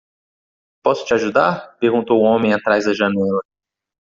"Posso te ajudar?" perguntou o homem atrás da janela.